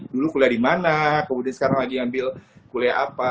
dulu kuliah di mana kemudian sekarang lagi ambil kuliah apa